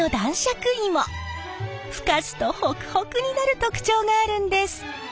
ふかすとホクホクになる特徴があるんです。